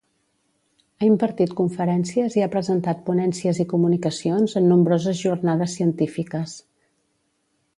Ha impartit conferències i ha presentat ponències i comunicacions en nombroses jornades científiques.